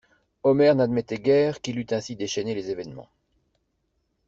Omer n'admettait guère qu'il eût ainsi déchaîné les événements.